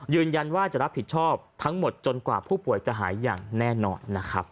ยืนยันว่าจะรับผิดชอบทั้งหมดจนกว่าผู้ป่วยจะหายอย่างแน่นอนนะครับ